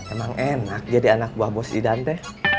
emang enak jadi anak buah bos di dante